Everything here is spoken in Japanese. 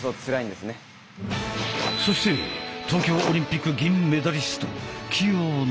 そして東京オリンピック銀メダリスト